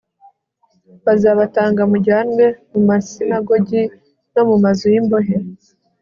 bazabatanga mujyanwe mu masinagogi no mu mazu y imbohe